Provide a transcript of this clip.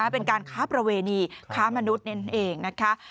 เป็นการค้าประเวณีค้ามนุษย์เอง